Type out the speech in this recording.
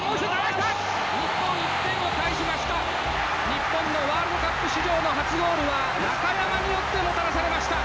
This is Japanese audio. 日本のワールドカップ史上の初ゴールは中山によってもたらされました。